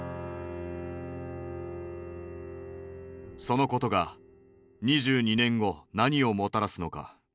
そのことが２２年後何をもたらすのか。